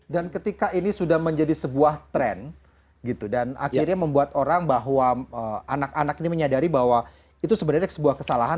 dan ketika ini sudah menjadi sebuah trend gitu dan akhirnya membuat orang bahwa anak anak ini menyadari bahwa itu sebenarnya sebuah kesalahan